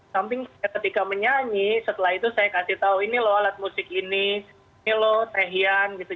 samping ketika menyanyi setelah itu saya kasih tahu ini loh alat musik ini ini loh tehian gitu